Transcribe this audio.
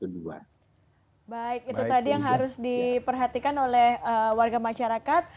baik itu tadi yang harus diperhatikan oleh warga masyarakat